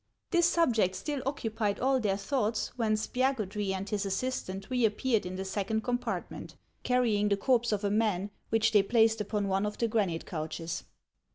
This subject still occupied all their thoughts, when Spiagudry and his assistant reappeared in the second com partment, carrying the corpse of a man, which they placed upon one of the granite couches.